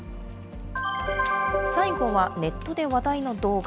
最後は、ネットで話題の動画。